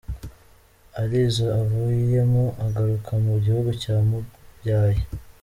Ari zo avuyemo agaruka mu gihugu cya mubyaye.